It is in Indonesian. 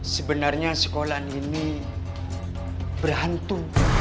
sebenarnya sekolah ini berhantu